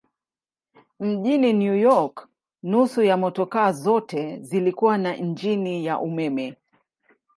Mjini New York nusu ya motokaa zote zilikuwa na injini ya umeme.